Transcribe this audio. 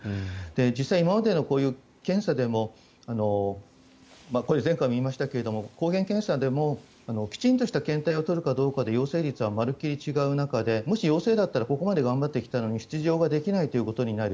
実際、今までのこういう検査でもこれは前回も言いましたけれども抗原検査でもきちんとした検体を採るかどうかで陽性率はまるっきり違う中でもし陽性だったらここまで頑張ってきたのに出場ができないということになる。